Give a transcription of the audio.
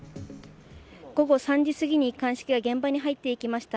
午後３時すぎに鑑識が現場に入っていきました。